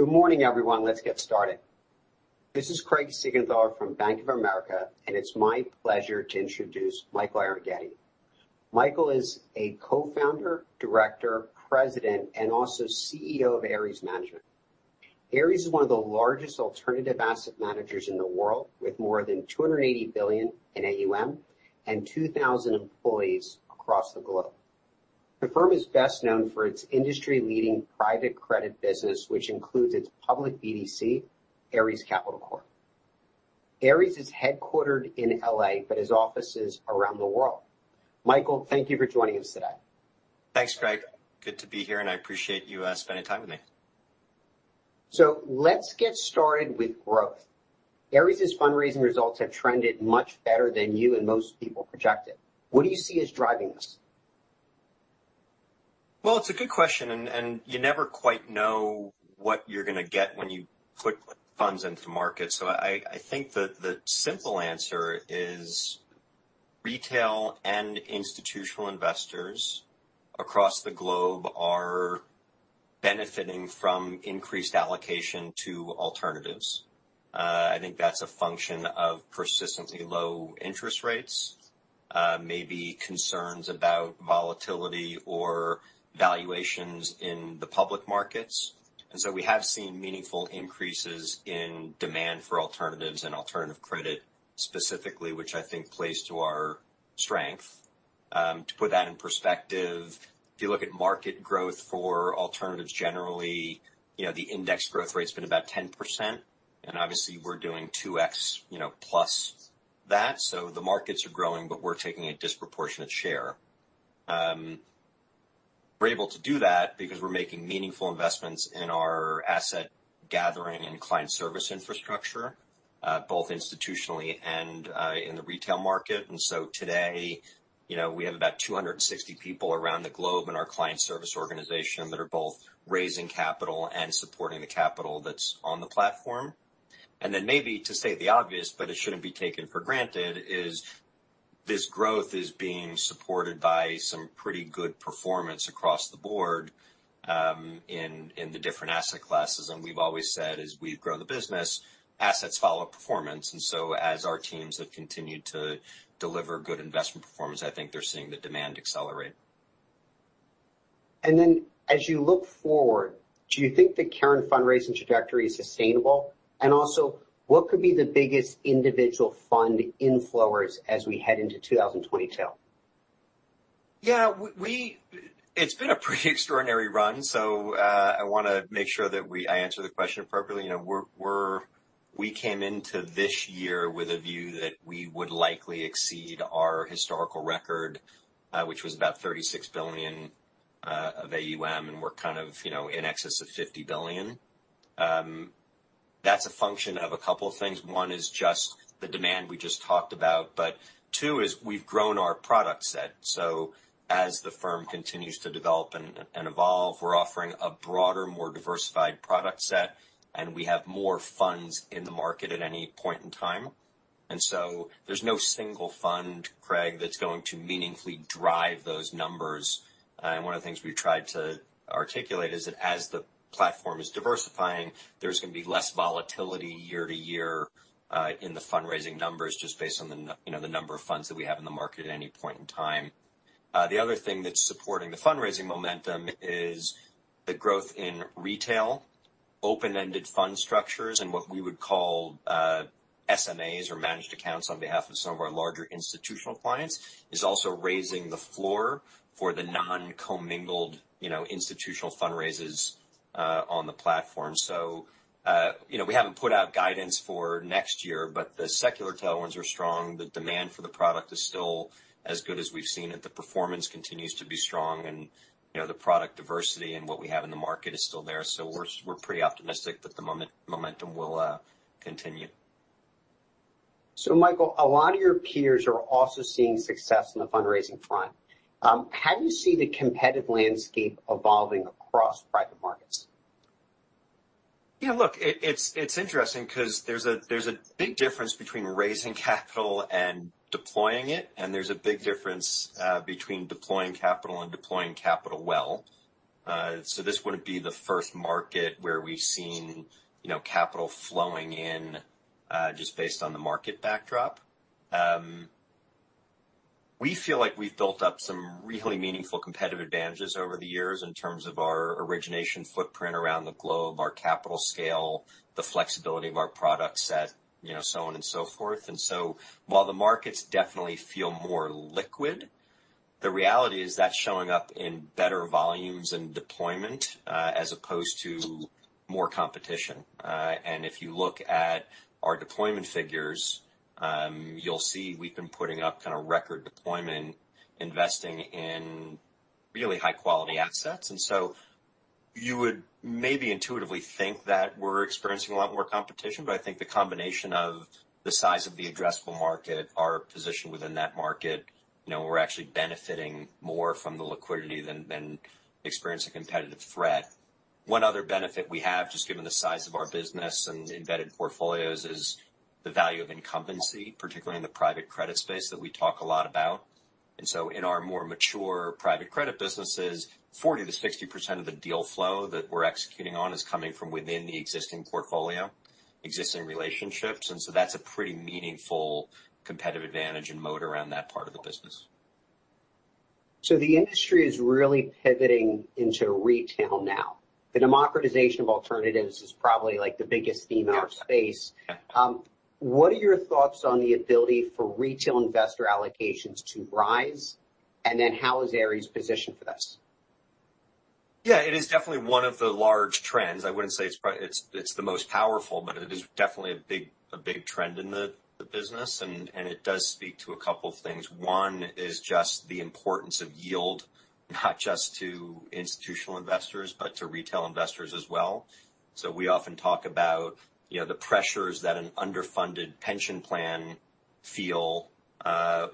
Good morning, everyone. Let's get started. This is Craig Siegenthaler from Bank of America, and it's my pleasure to introduce Michael Arougheti. Michael is a co-founder, director, president, and also CEO of Ares Management. Ares is one of the largest alternative asset managers in the world, with more than $280 billion in AUM and 2,000 employees across the globe. The firm is best known for its industry-leading private credit business, which includes its public BDC, Ares Capital Corp. Ares is headquartered in L.A., but has offices around the world. Michael, thank you for joining us today. Thanks, Craig. Good to be here, and I appreciate you spending time with me. Let's get started with growth. Ares' fundraising results have trended much better than you and most people projected. What do you see as driving this? Well, it's a good question, and you never quite know what you're gonna get when you put funds into market. I think that the simple answer is retail and institutional investors across the globe are benefiting from increased allocation to alternatives. I think that's a function of persistently low interest rates, maybe concerns about volatility or valuations in the public markets. We have seen meaningful increases in demand for alternatives and alternative credit specifically, which I think plays to our strength. To put that in perspective, if you look at market growth for alternatives generally, you know, the index growth rate's been about 10%, and obviously we're doing 2x, you know, plus that. The markets are growing, but we're taking a disproportionate share. We're able to do that because we're making meaningful investments in our asset gathering and client service infrastructure, both institutionally and, in the retail market. Today, you know, we have about 260 people around the globe in our client service organization that are both raising capital and supporting the capital that's on the platform. Maybe to state the obvious, but it shouldn't be taken for granted, this growth is being supported by some pretty good performance across the board, in the different asset classes. We've always said as we grow the business, assets follow performance. As our teams have continued to deliver good investment performance, I think they're seeing the demand accelerate. Then as you look forward, do you think the current fundraising trajectory is sustainable? Also, what could be the biggest individual fund inflows as we head into 2022? Yeah. It's been a pretty extraordinary run, so, I wanna make sure that I answer the question appropriately. You know, we're we came into this year with a view that we would likely exceed our historical record, which was about $36 billion of AUM, and we're kind of, you know, in excess of $50 billion. That's a function of a couple things. One is just the demand we just talked about, but two is we've grown our product set. So as the firm continues to develop and evolve, we're offering a broader, more diversified product set, and we have more funds in the market at any point in time. There's no single fund, Craig, that's going to meaningfully drive those numbers. One of the things we've tried to articulate is that as the platform is diversifying, there's gonna be less volatility year to year in the fundraising numbers just based on you know, the number of funds that we have in the market at any point in time. The other thing that's supporting the fundraising momentum is the growth in retail, open-ended fund structures, and what we would call SMAs or managed accounts on behalf of some of our larger institutional clients is also raising the floor for the non-commingled you know, institutional fundraisers on the platform. We haven't put out guidance for next year, but the secular tailwinds are strong. The demand for the product is still as good as we've seen it. The performance continues to be strong and, you know, the product diversity and what we have in the market is still there. We're pretty optimistic that the momentum will continue. Michael, a lot of your peers are also seeing success on the fundraising front. How do you see the competitive landscape evolving across private markets? Yeah, look, it's interesting 'cause there's a big difference between raising capital and deploying it, and there's a big difference between deploying capital and deploying capital well. This wouldn't be the first market where we've seen, you know, capital flowing in just based on the market backdrop. We feel like we've built up some really meaningful competitive advantages over the years in terms of our origination footprint around the globe, our capital scale, the flexibility of our product set, you know, so on and so forth. While the markets definitely feel more liquid, the reality is that's showing up in better volumes and deployment as opposed to more competition. If you look at our deployment figures, you'll see we've been putting up kind of record deployment, investing in really high-quality assets. You would maybe intuitively think that we're experiencing a lot more competition. I think the combination of the size of the addressable market, our position within that market, you know, we're actually benefiting more from the liquidity than experiencing competitive threat. One other benefit we have, just given the size of our business and embedded portfolios, is the value of incumbency, particularly in the private credit space that we talk a lot about. In our more mature private credit businesses, 40%-60% of the deal flow that we're executing on is coming from within the existing portfolio, existing relationships, and so that's a pretty meaningful competitive advantage and mode around that part of the business. The industry is really pivoting into retail now. The democratization of alternatives is probably like the biggest theme in our space. Yeah. What are your thoughts on the ability for retail investor allocations to rise? How is Ares positioned for this? Yeah, it is definitely one of the large trends. I wouldn't say it's the most powerful, but it is definitely a big trend in the business, and it does speak to a couple of things. One is just the importance of yield, not just to institutional investors, but to retail investors as well. We often talk about, you know, the pressures that an underfunded pension plan feel,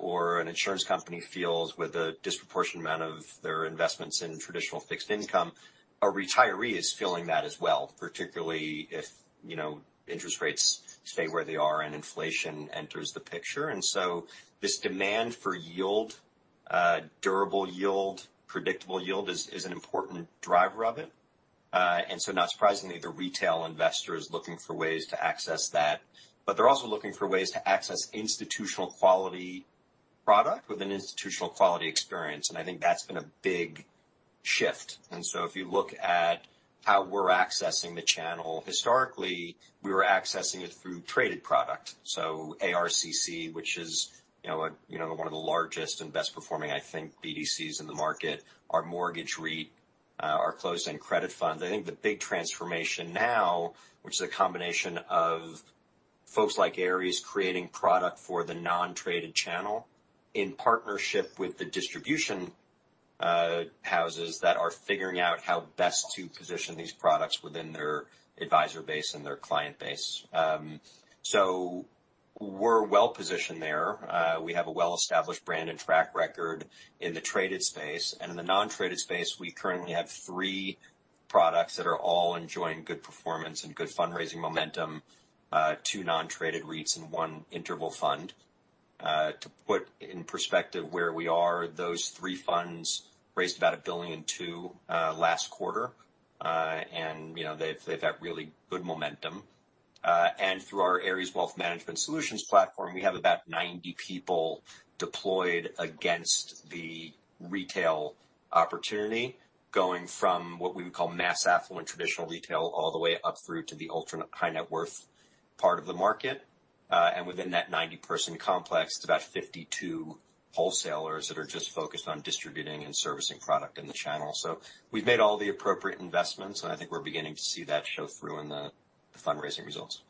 or an insurance company feels with a disproportionate amount of their investments in traditional fixed income. A retiree is feeling that as well, particularly if, you know, interest rates stay where they are and inflation enters the picture. This demand for yield, durable yield, predictable yield is an important driver of it. Not surprisingly, the retail investor is looking for ways to access that. They're also looking for ways to access institutional-quality product with an institutional quality experience. I think that's been a big shift. If you look at how we're accessing the channel, historically, we were accessing it through traded product. ARCC, which is, you know, one of the largest and best performing, I think, BDCs in the market, our mortgage REIT, our closed-end credit fund. I think the big transformation now, which is a combination of folks like Ares creating product for the non-traded channel in partnership with the distribution houses that are figuring out how best to position these products within their advisor base and their client base. We're well-positioned there. We have a well-established brand and track record in the traded space. In the non-traded space, we currently have three products that are all enjoying good performance and good fundraising momentum, two non-traded REITs and one interval fund. To put in perspective where we are, those three funds raised about $1.2 billion last quarter. You know, they've had really good momentum. Through our Ares Wealth Management Solutions platform, we have about 90 people deployed against the retail opportunity, going from what we would call mass affluent traditional retail all the way up through to the ultra high net worth part of the market. Within that 90-person complex, about 52 wholesalers that are just focused on distributing and servicing product in the channel. We've made all the appropriate investments, and I think we're beginning to see that show through in the fundraising results.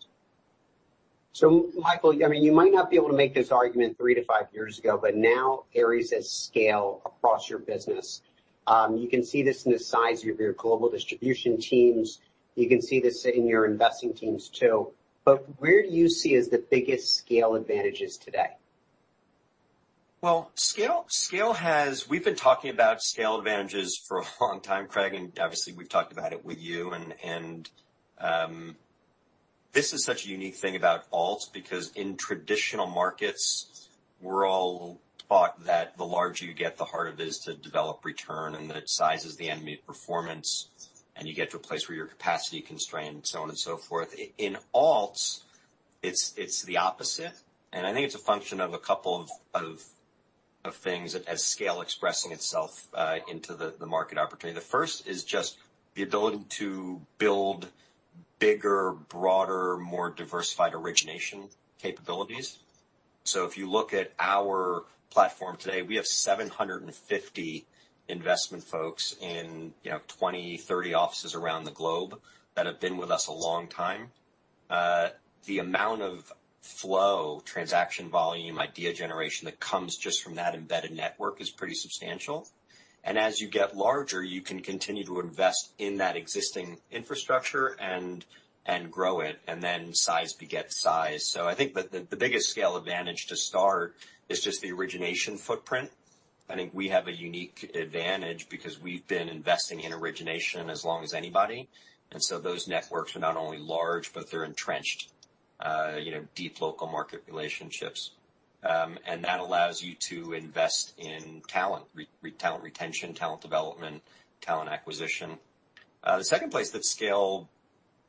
Michael, I mean, you might not be able to make this argument 3-5 years ago, but now Ares has scale across your business. You can see this in the size of your global distribution teams. You can see this in your investing teams too. Where do you see as the biggest scale advantages today? Well, we've been talking about scale advantages for a long time, Craig, and obviously we've talked about it with you and this is such a unique thing about alts because in traditional markets, we're all taught that the larger you get, the harder it is to develop return and that size is the enemy of performance, and you get to a place where you're capacity constrained, so on and so forth. In alts, it's the opposite. I think it's a function of a couple of things as scale expressing itself into the market opportunity. The first is just the ability to build bigger, broader, more diversified origination capabilities. If you look at our platform today, we have 750 investment folks in, you know, 20, 30 offices around the globe that have been with us a long time. The amount of flow, transaction volume, idea generation that comes just from that embedded network is pretty substantial. As you get larger, you can continue to invest in that existing infrastructure and grow it, and then size begets size. I think the biggest scale advantage to start is just the origination footprint. I think we have a unique advantage because we've been investing in origination as long as anybody. Those networks are not only large, but they're entrenched, you know, deep local market relationships. And that allows you to invest in talent retention, talent development, talent acquisition. The second place that scale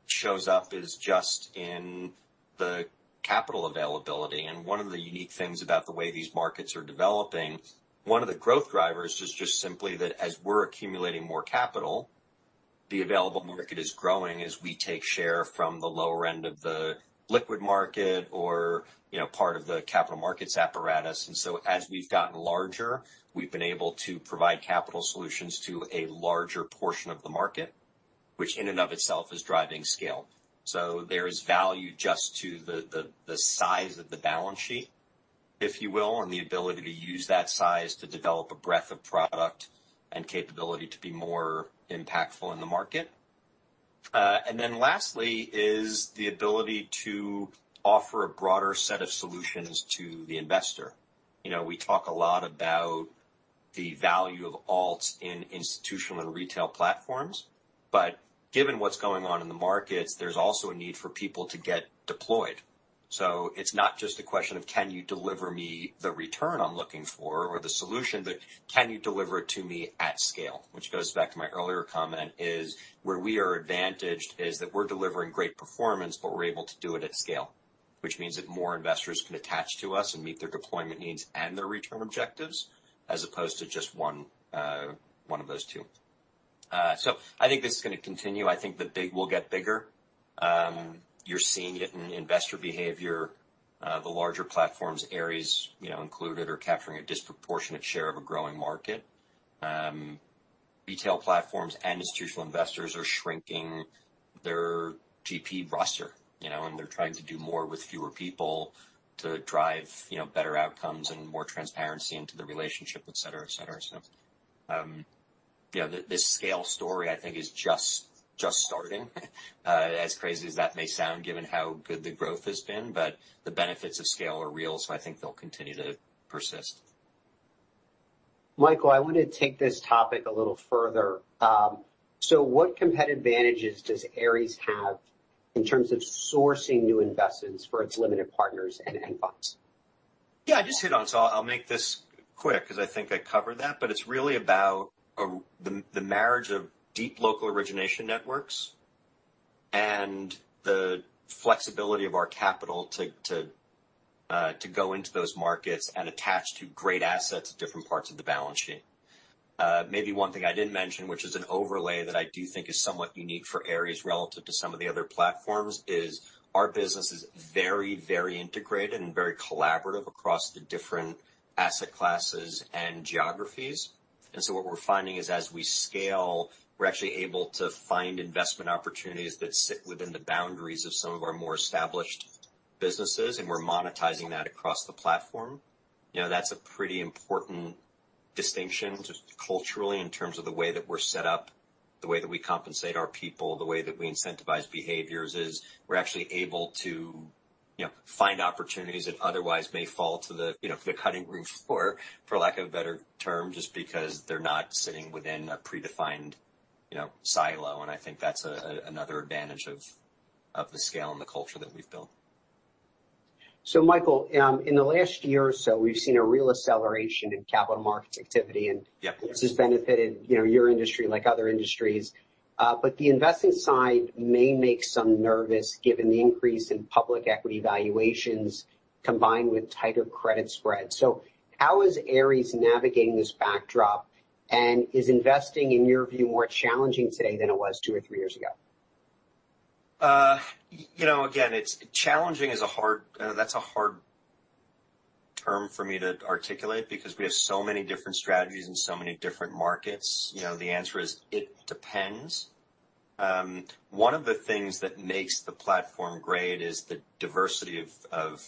shows up is just in the capital availability. One of the unique things about the way these markets are developing, one of the growth drivers is just simply that as we're accumulating more capital, the available market is growing as we take share from the lower end of the liquid market or, you know, part of the capital markets apparatus. As we've gotten larger, we've been able to provide capital solutions to a larger portion of the market, which in and of itself is driving scale. There is value just to the size of the balance sheet, if you will, and the ability to use that size to develop a breadth of product and capability to be more impactful in the market. Lastly is the ability to offer a broader set of solutions to the investor. You know, we talk a lot about the value of alts in institutional and retail platforms. Given what's going on in the markets, there's also a need for people to get deployed. It's not just a question of can you deliver me the return I'm looking for or the solution, but can you deliver it to me at scale? Which goes back to my earlier comment is where we are advantaged is that we're delivering great performance, but we're able to do it at scale, which means that more investors can attach to us and meet their deployment needs and their return objectives, as opposed to just one of those two. I think this is gonna continue. I think the big will get bigger. You're seeing it in investor behavior, the larger platforms, Ares, you know, included, are capturing a disproportionate share of a growing market. Retail platforms and institutional investors are shrinking their GP roster, you know, and they're trying to do more with fewer people to drive, you know, better outcomes and more transparency into the relationship, et cetera, et cetera. You know, this scale story, I think, is just starting, as crazy as that may sound, given how good the growth has been, but the benefits of scale are real, so I think they'll continue to persist. Michael, I wanna take this topic a little further. What competitive advantages does Ares have in terms of sourcing new investments for its limited partners and end funds? Yeah, I just hit on it, so I'll make this quick 'cause I think I covered that. But it's really about the marriage of deep local origination networks and the flexibility of our capital to go into those markets and attach to great assets at different parts of the balance sheet. Maybe one thing I didn't mention, which is an overlay that I do think is somewhat unique for Ares relative to some of the other platforms, is our business very, very integrated and very collaborative across the different asset classes and geographies. What we're finding is as we scale, we're actually able to find investment opportunities that sit within the boundaries of some of our more established businesses, and we're monetizing that across the platform. You know, that's a pretty important distinction just culturally in terms of the way that we're set up, the way that we compensate our people, the way that we incentivize behaviors, is we're actually able to, you know, find opportunities that otherwise may fall to the, you know, to the cutting room floor, for lack of a better term, just because they're not sitting within a predefined, you know, silo. I think that's another advantage of the scale and the culture that we've built. Michael, in the last year or so, we've seen a real acceleration in capital markets activity. Yeah. This has benefited, you know, your industry like other industries. The investing side may make some nervous given the increase in public equity valuations combined with tighter credit spreads. How is Ares navigating this backdrop? Is investing, in your view, more challenging today than it was two or three years ago? You know, again, challenging is a hard term for me to articulate because we have so many different strategies in so many different markets. You know, the answer is it depends. One of the things that makes the platform great is the diversity of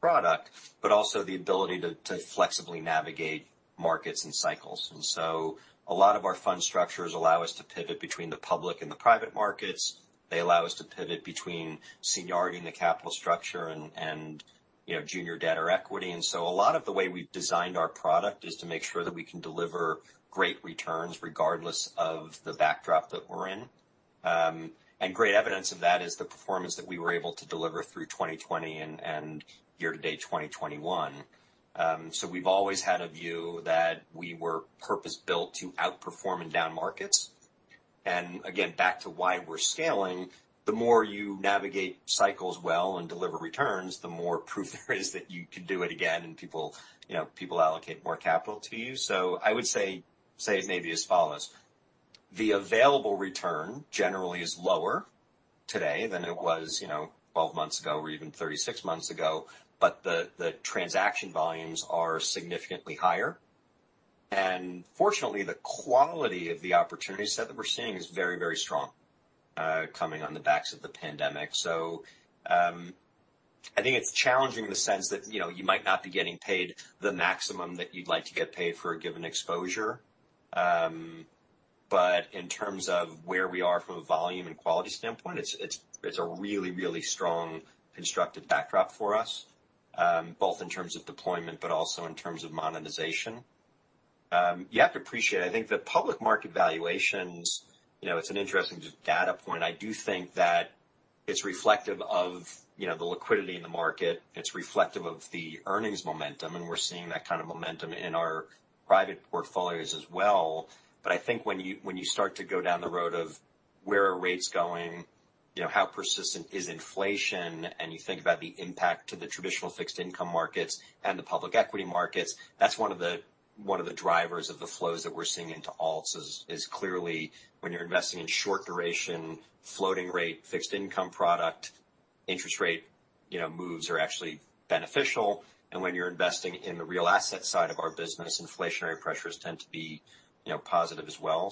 product, but also the ability to flexibly navigate markets and cycles. A lot of our fund structures allow us to pivot between the public and the private markets. They allow us to pivot between seniority in the capital structure and you know, junior debt or equity. A lot of the way we've designed our product is to make sure that we can deliver great returns regardless of the backdrop that we're in. Great evidence of that is the performance that we were able to deliver through 2020 and year to date, 2021. We've always had a view that we were purpose-built to outperform in down markets. Again, back to why we're scaling, the more you navigate cycles well and deliver returns, the more proof there is that you can do it again and people, you know, people allocate more capital to you. I would say it maybe as follows: the available return generally is lower today than it was, you know, 12 months ago or even 36 months ago, but the transaction volumes are significantly higher. Fortunately, the quality of the opportunity set that we're seeing is very, very strong, coming on the backs of the pandemic. I think it's challenging in the sense that, you know, you might not be getting paid the maximum that you'd like to get paid for a given exposure. But in terms of where we are from a volume and quality standpoint, it's a really strong constructive backdrop for us, both in terms of deployment, but also in terms of monetization. You have to appreciate, I think the public market valuations, you know, it's an interesting just data point. I do think that it's reflective of, you know, the liquidity in the market. It's reflective of the earnings momentum, and we're seeing that kind of momentum in our private portfolios as well. I think when you start to go down the road of where are rates going, you know, how persistent is inflation, and you think about the impact to the traditional fixed income markets and the public equity markets, that's one of the drivers of the flows that we're seeing into alts is clearly when you're investing in short duration, floating rate, fixed income product, interest rate moves are actually beneficial. When you're investing in the real asset side of our business, inflationary pressures tend to be, you know, positive as well.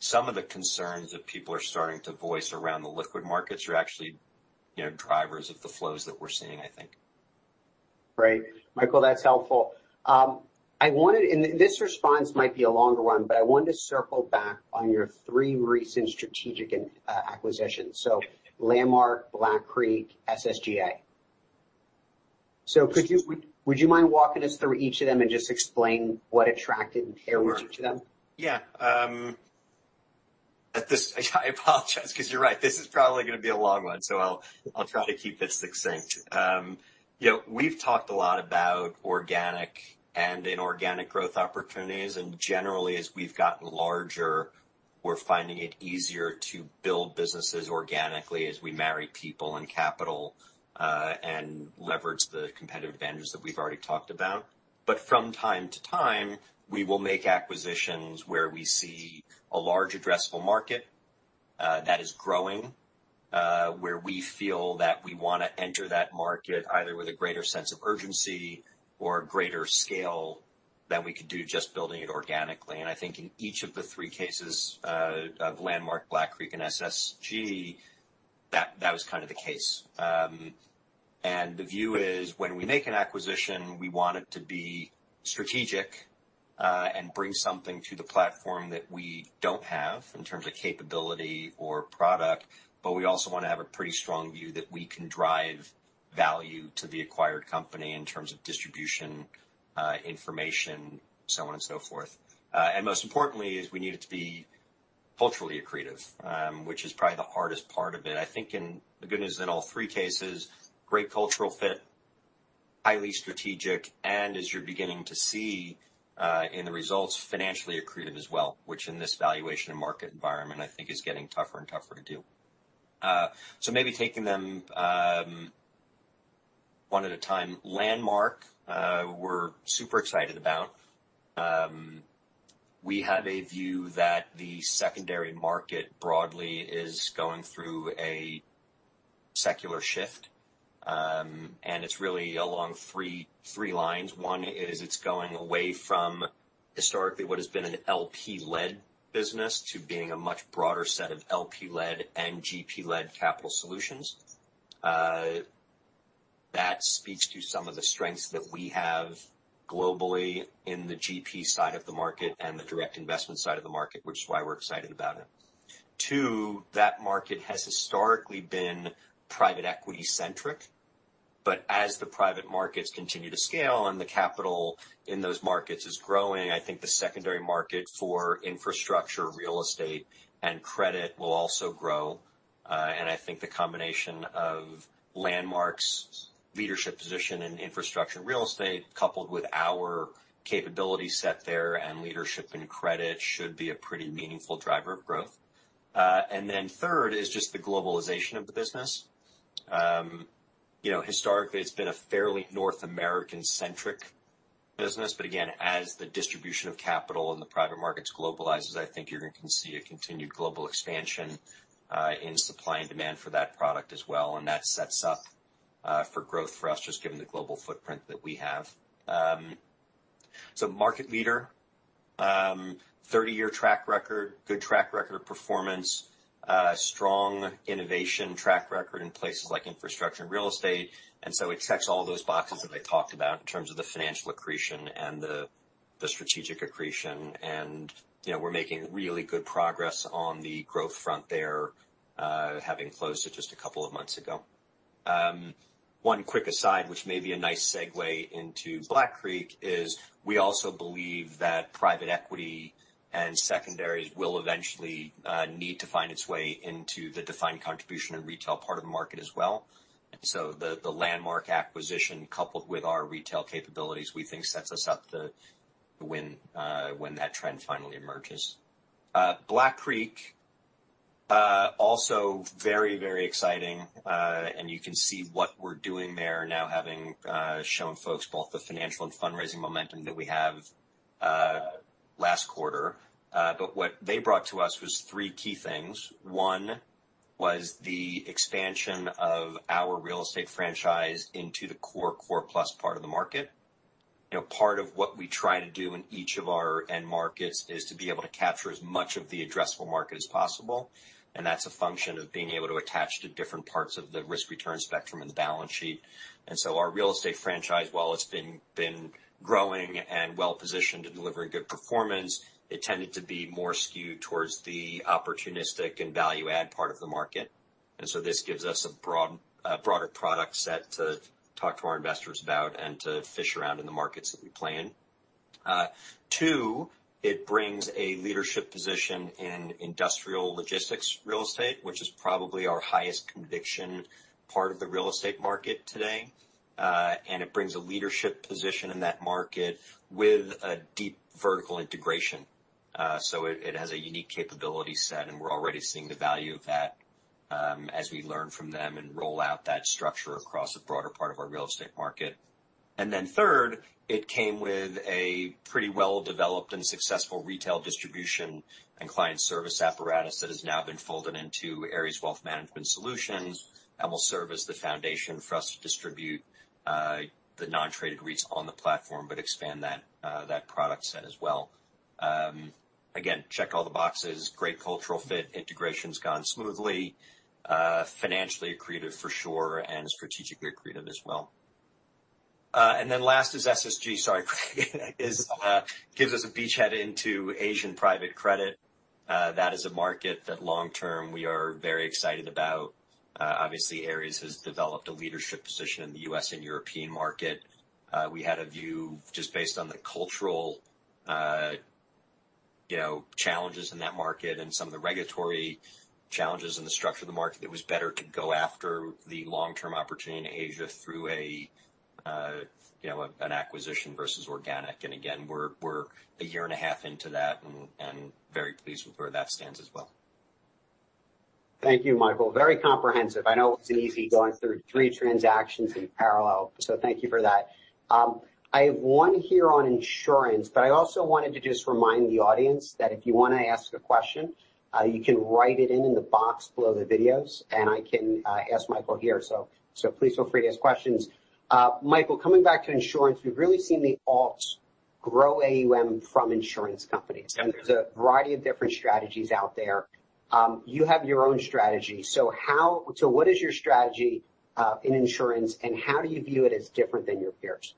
Some of the concerns that people are starting to voice around the liquid markets are actually, you know, drivers of the flows that we're seeing, I think. Great. Michael, that's helpful. This response might be a longer one, but I wanted to circle back on your three recent strategic acquisitions. Landmark, Black Creek, SSG. Would you mind walking us through each of them and just explain what attracted Ares to them? Yeah, I apologize because you're right, this is probably gonna be a long one, so I'll try to keep it succinct. You know, we've talked a lot about organic and inorganic growth opportunities, and generally, as we've gotten larger, we're finding it easier to build businesses organically as we marry people and capital, and leverage the competitive advantage that we've already talked about. From time to time, we will make acquisitions where we see a large addressable market, that is growing, where we feel that we wanna enter that market either with a greater sense of urgency or greater scale than we could do just building it organically. I think in each of the three cases, of Landmark, Black Creek, and SSG, that was kind of the case. The view is when we make an acquisition, we want it to be strategic, and bring something to the platform that we don't have in terms of capability or product. We also wanna have a pretty strong view that we can drive value to the acquired company in terms of distribution, information, so on and so forth. Most importantly is we need it to be culturally accretive, which is probably the hardest part of it. I think. The good news in all three cases, great cultural fit, highly strategic, and as you're beginning to see, in the results, financially accretive as well, which in this valuation and market environment, I think is getting tougher and tougher to do. Maybe taking them one at a time. Landmark, we're super excited about. We have a view that the secondary market broadly is going through a secular shift. It's really along three lines. One is it's going away from historically what has been an LP-led business to being a much broader set of LP-led and GP-led capital solutions. That speaks to some of the strengths that we have globally in the GP side of the market and the direct investment side of the market, which is why we're excited about it. Two, that market has historically been private equity-centric, but as the private markets continue to scale and the capital in those markets is growing, I think the secondary market for infrastructure, real estate, and credit will also grow. I think the combination of Landmark's leadership position and infrastructure real estate, coupled with our capability set there and leadership and credit, should be a pretty meaningful driver of growth. Then third is just the globalization of the business. You know, historically it's been a fairly North American-centric business, but again, as the distribution of capital in the private markets globalizes, I think you're gonna see a continued global expansion in supply and demand for that product as well. That sets up for growth for us, just given the global footprint that we have. Market leader, thirty-year track record, good track record of performance, strong innovation track record in places like infrastructure and real estate. It checks all those boxes that I talked about in terms of the financial accretion and the strategic accretion. You know, we're making really good progress on the growth front there, having closed it just a couple of months ago. One quick aside, which may be a nice segue into Black Creek, is we also believe that private equity and secondaries will eventually need to find its way into the defined contribution and retail part of the market as well. The Landmark acquisition, coupled with our retail capabilities, we think sets us up to win, when that trend finally emerges. Black Creek also very, very exciting. You can see what we're doing there now, having shown folks both the financial and fundraising momentum that we have last quarter. What they brought to us was three key things. One was the expansion of our real estate franchise into the core plus part of the market. You know, part of what we try to do in each of our end markets is to be able to capture as much of the addressable market as possible, and that's a function of being able to attach to different parts of the risk-return spectrum and the balance sheet. Our real estate franchise, while it's been growing and well-positioned to deliver a good performance, it tended to be more skewed towards the opportunistic and value add part of the market. This gives us a broader product set to talk to our investors about and to fish around in the markets that we play in. Two, it brings a leadership position in industrial logistics real estate, which is probably our highest conviction part of the real estate market today. It brings a leadership position in that market with a deep vertical integration. It has a unique capability set, and we're already seeing the value of that, as we learn from them and roll out that structure across a broader part of our real estate market. Third, it came with a pretty well-developed and successful retail distribution and client service apparatus that has now been folded into Ares Wealth Management Solutions and will serve as the foundation for us to distribute the non-traded REITs on the platform, but expand that product set as well. Again, check all the boxes, great cultural fit, integration's gone smoothly, financially accretive for sure, and strategically accretive as well. Then last is SSG. Sorry, Craig. Gives us a beachhead into Asian private credit. That is a market that long term we are very excited about. Obviously, Ares has developed a leadership position in the U.S. and European market. We had a view just based on the cultural, you know, challenges in that market and some of the regulatory challenges and the structure of the market, it was better to go after the long-term opportunity in Asia through a, you know, an acquisition versus organic. Again, we're a year and a half into that and very pleased with where that stands as well. Thank you, Michael. Very comprehensive. I know it's easy going through three transactions in parallel, so thank you for that. I have one here on insurance, but I also wanted to just remind the audience that if you wanna ask a question, you can write it in the box below the videos, and I can ask Michael here. So please feel free to ask questions. Michael, coming back to insurance, we've really seen the alts grow AUM from insurance companies. Yeah. There's a variety of different strategies out there. You have your own strategy. So what is your strategy in insurance, and how do you view it as different than your peers?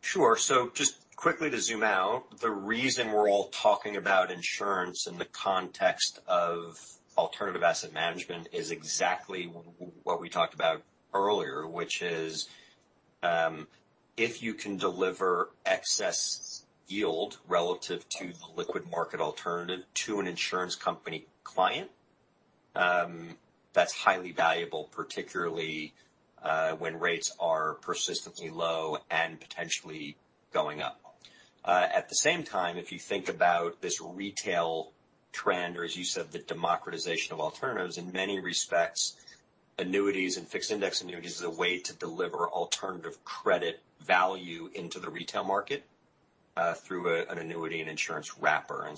Sure. So just quickly to zoom out, the reason we're all talking about insurance in the context of alternative asset management is exactly what we talked about earlier, which is, if you can deliver excess yield relative to the liquid market alternative to an insurance company client, that's highly valuable, particularly, when rates are persistently low and potentially going up. At the same time, if you think about this retail trend or as you said, the democratization of alternatives, in many respects, annuities and fixed index annuities is a way to deliver alternative credit value into the retail market, through an annuity and insurance wrapper.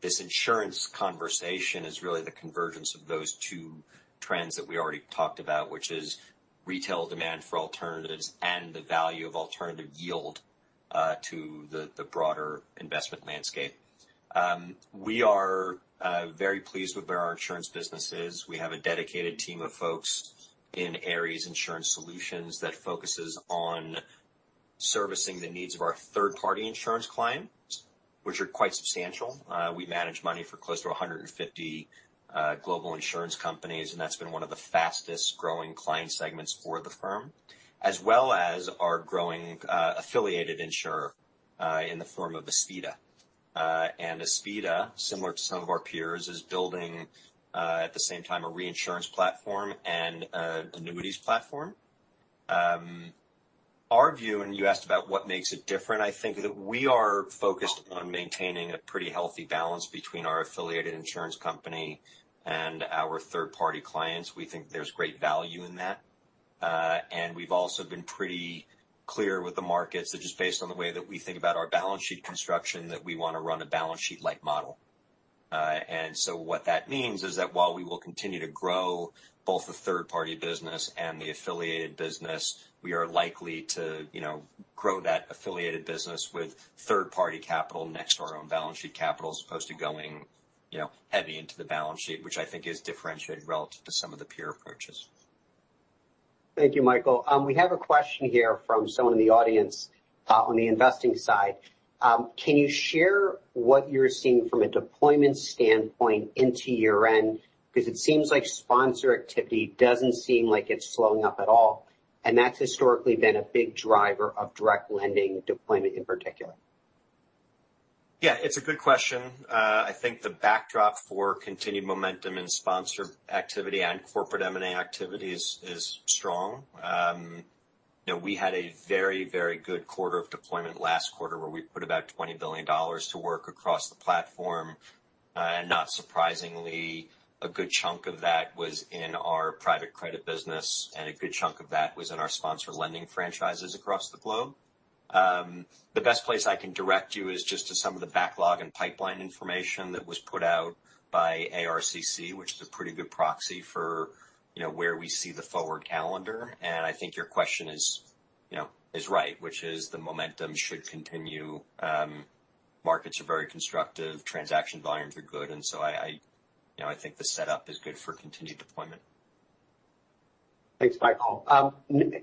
This insurance conversation is really the convergence of those two trends that we already talked about, which is retail demand for alternatives and the value of alternative yield, to the broader investment landscape. We are very pleased with where our insurance business is. We have a dedicated team of folks in Ares Insurance Solutions that focuses on servicing the needs of our third-party insurance clients, which are quite substantial. We manage money for close to 150 global insurance companies, and that's been one of the fastest-growing client segments for the firm, as well as our growing affiliated insurer in the form of Aspida. Aspida, similar to some of our peers, is building at the same time a reinsurance platform and annuities platform. Our view, and you asked about what makes it different, I think that we are focused on maintaining a pretty healthy balance between our affiliated insurance company and our third-party clients. We think there's great value in that. We've also been pretty clear with the markets that just based on the way that we think about our balance sheet construction, that we wanna run a balance sheet-like model. What that means is that while we will continue to grow both the third-party business and the affiliated business, we are likely to, you know, grow that affiliated business with third-party capital next to our own balance sheet capital as opposed to going, you know, heavy into the balance sheet, which I think is differentiated relative to some of the peer approaches. Thank you, Michael. We have a question here from someone in the audience on the investing side. Can you share what you're seeing from a deployment standpoint into year-end? 'Cause it seems like sponsor activity doesn't seem like it's slowing up at all, and that's historically been a big driver of direct lending deployment in particular. Yeah, it's a good question. I think the backdrop for continued momentum in sponsor activity and corporate M&A activity is strong. You know, we had a very good quarter of deployment last quarter, where we put about $20 billion to work across the platform. And not surprisingly, a good chunk of that was in our private credit business, and a good chunk of that was in our sponsor lending franchises across the globe. The best place I can direct you is just to some of the backlog and pipeline information that was put out by ARCC, which is a pretty good proxy for, you know, where we see the forward calendar. I think your question is, you know, right, which is the momentum should continue. Markets are very constructive, transaction volumes are good, and so I, you know, I think the setup is good for continued deployment. Thanks, Michael. I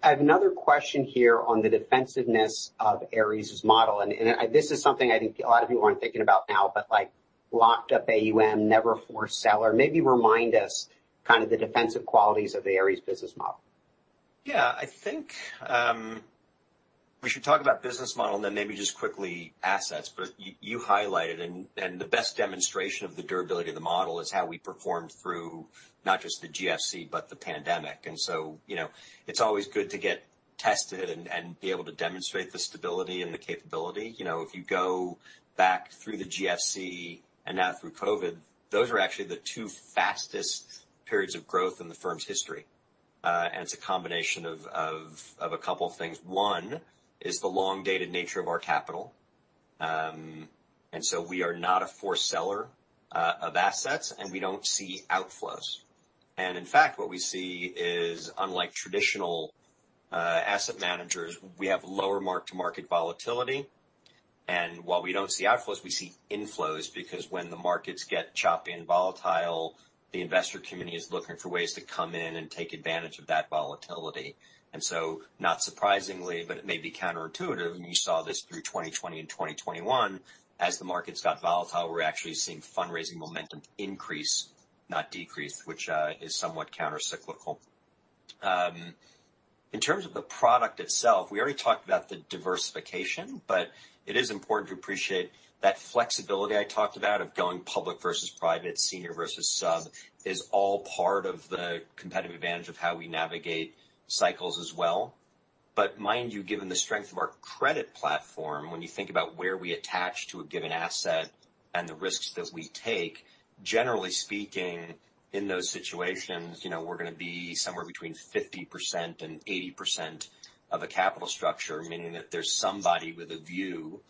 have another question here on the defensiveness of Ares's model, and this is something I think a lot of people aren't thinking about now, but like, locked up AUM, nevertheless. Maybe remind us kind of the defensive qualities of the Ares business model. Yeah. I think we should talk about business model and then maybe just quickly assets. You highlighted and the best demonstration of the durability of the model is how we performed through not just the GFC, but the pandemic. You know, it's always good to get tested and be able to demonstrate the stability and the capability. You know, if you go back through the GFC and now through COVID, those are actually the two fastest periods of growth in the firm's history. It's a combination of a couple things. One is the long-dated nature of our capital. We are not a forced seller of assets, and we don't see outflows. In fact, what we see is, unlike traditional asset managers, we have lower mark-to-market volatility. While we don't see outflows, we see inflows, because when the markets get choppy and volatile, the investor community is looking for ways to come in and take advantage of that volatility. Not surprisingly, but it may be counterintuitive, and you saw this through 2020 and 2021, as the markets got volatile, we're actually seeing fundraising momentum increase, not decrease, which is somewhat countercyclical. In terms of the product itself, we already talked about the diversification, but it is important to appreciate that flexibility I talked about of going public versus private, senior versus sub is all part of the competitive advantage of how we navigate cycles as well. Mind you, given the strength of our credit platform, when you think about where we attach to a given asset and the risks that we take, generally speaking, in those situations, you know, we're gonna be somewhere between 50% and 80% of a capital structure, meaning that there's somebody with a view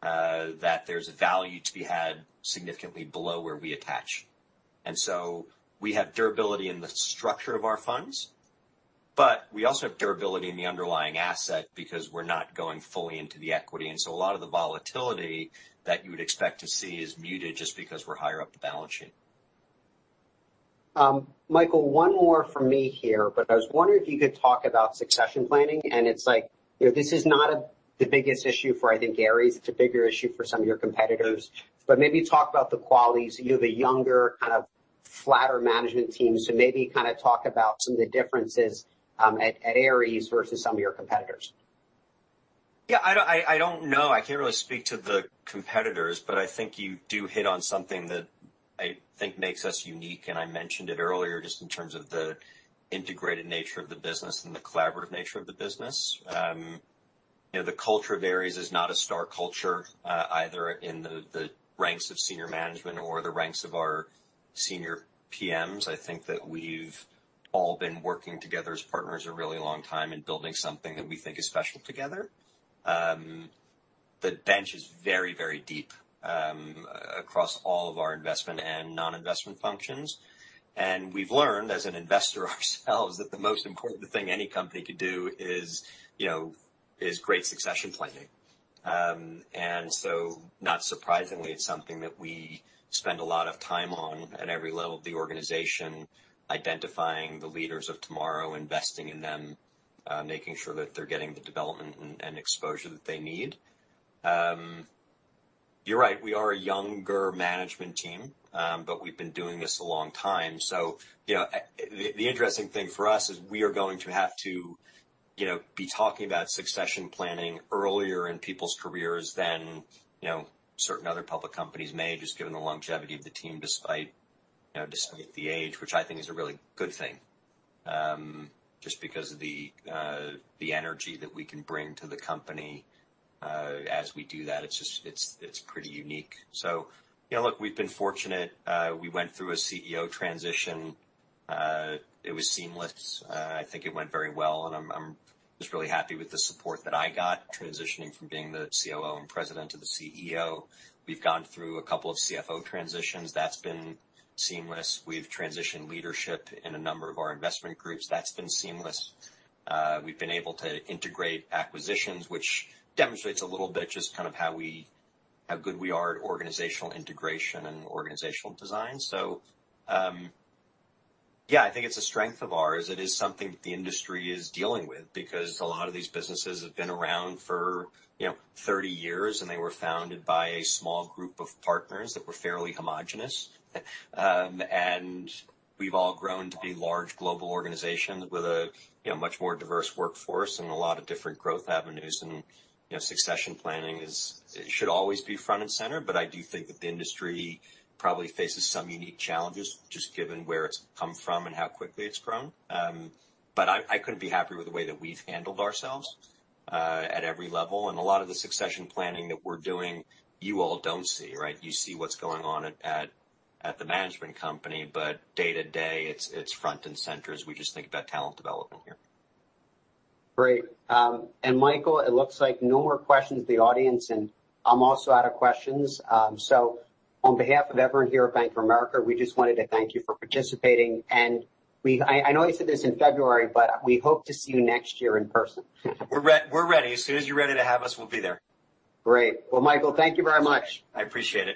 that there's value to be had significantly below where we attach. We have durability in the structure of our funds, but we also have durability in the underlying asset because we're not going fully into the equity. A lot of the volatility that you would expect to see is muted just because we're higher up the balance sheet. Michael, one more from me here, but I was wondering if you could talk about succession planning, and it's like, you know, this is not the biggest issue for, I think, Ares. It's a bigger issue for some of your competitors. But maybe talk about the qualities. You have a younger, kind of flatter management team. So maybe kind of talk about some of the differences at Ares versus some of your competitors. Yeah, I don't know. I can't really speak to the competitors, but I think you do hit on something that I think makes us unique, and I mentioned it earlier, just in terms of the integrated nature of the business and the collaborative nature of the business. You know, the culture of Ares is not a star culture, either in the ranks of senior management or the ranks of our senior PMs. I think that we've all been working together as partners a really long time and building something that we think is special together. The bench is very, very deep across all of our investment and non-investment functions. We've learned as an investor ourselves that the most important thing any company could do is, you know, great succession planning. Not surprisingly, it's something that we spend a lot of time on at every level of the organization, identifying the leaders of tomorrow, investing in them, making sure that they're getting the development and exposure that they need. You're right, we are a younger management team, but we've been doing this a long time. You know, the interesting thing for us is we are going to have to, you know, be talking about succession planning earlier in people's careers than, you know, certain other public companies may, just given the longevity of the team, despite, you know, despite the age, which I think is a really good thing just because of the energy that we can bring to the company, as we do that. It's pretty unique. You know, look, we've been fortunate. We went through a CEO transition. It was seamless. I think it went very well, and I'm just really happy with the support that I got transitioning from being the COO and president to the CEO. We've gone through a couple of CFO transitions. That's been seamless. We've transitioned leadership in a number of our investment groups. That's been seamless. We've been able to integrate acquisitions, which demonstrates a little bit just kind of how good we are at organizational integration and organizational design. Yeah, I think it's a strength of ours. It is something that the industry is dealing with because a lot of these businesses have been around for, you know, 30 years, and they were founded by a small group of partners that were fairly homogeneous. We've all grown to be large global organizations with a, you know, much more diverse workforce and a lot of different growth avenues. You know, succession planning is. It should always be front and center. I do think that the industry probably faces some unique challenges, just given where it's come from and how quickly it's grown. I couldn't be happier with the way that we've handled ourselves at every level. A lot of the succession planning that we're doing, you all don't see, right? You see what's going on at the management company. Day to day, it's front and center as we just think about talent development here. Great. Michael, it looks like no more questions from the audience, and I'm also out of questions. On behalf of everyone here at Bank of America, we just wanted to thank you for participating. I know you said this in February, but we hope to see you next year in person. We're ready. As soon as you're ready to have us, we'll be there. Great. Well, Michael, thank you very much. I appreciate it.